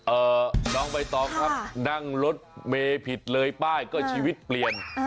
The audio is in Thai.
น้องใบตองครับนั่งรถเมย์ผิดเลยป้ายก็ชีวิตเปลี่ยน